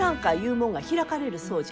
もんが開かれるそうじゃ。